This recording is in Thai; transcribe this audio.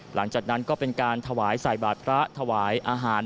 หลังจากนั้นก็เป็นการถวายใส่บาทพระถวายอาหาร